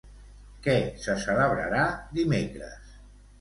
Què se celebrarà dimecres?